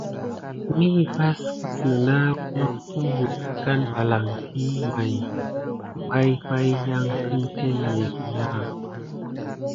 Midi vas kis nina nokt miwuk a valankila may kiban pay yanki temé kina sisayan.